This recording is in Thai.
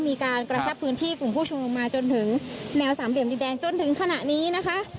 มีการกระชับพื้นที่กลุ่มผู้ชุมนุมมาจนถึงแนวสามเหลี่ยมดินแดงจนถึงขณะนี้นะคะ